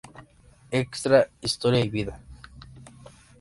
Extra Historia y Vida.